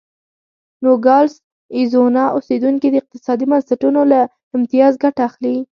نوګالس اریزونا اوسېدونکي د اقتصادي بنسټونو له امتیاز ګټه اخلي.